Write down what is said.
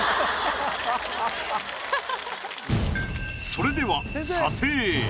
それでは査定。